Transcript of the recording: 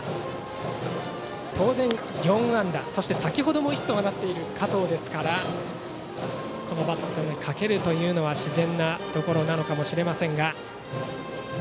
当然、４安打そして先ほどもヒットを放った加藤ですからこのバットにかけるというのは自然なところなのかもしれません。